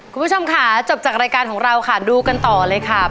คุณผู้ชมค่ะจบจากรายการของเราค่ะดูกันต่อเลยค่ะ